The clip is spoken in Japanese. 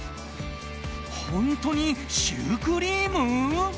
本当にシュークリーム？